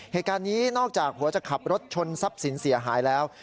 เหตุการณ์นี้นอกจากผัวจะขับรถชนทรัพย์สินเสียหายแล้ว